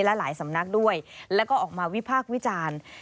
และหลายสำนักด้วยแล้วก็ออกมาวิพากษ์วิจารณ์